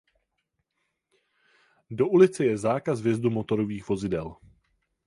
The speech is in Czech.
Do ulice je zákaz vjezdu motorových vozidel.